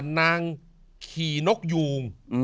นางขี่นกยูง